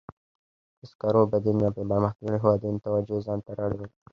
د سکرو بدیلونه د پرمختللو هېوادونو توجه ځان ته را اړولې.